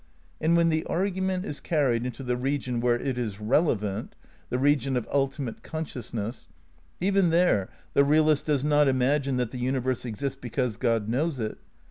And when the argument is carried into the region where it is relevantj^ the region of ultimate conscious ness, even there the realist does not imagine that the universe exists because Grod knows it.